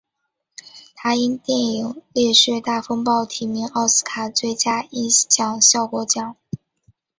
他因电影烈血大风暴提名奥斯卡最佳音响效果奖。